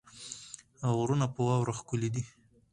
او غرونه په واوره ښکلې دي.